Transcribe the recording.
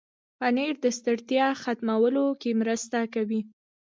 پنېر د ستړیا ختمولو کې مرسته کوي.